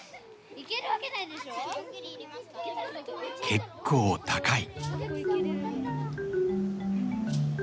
結構高い。